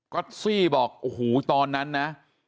ก็ซี่บอกโอ้โหตอนนั้นนะ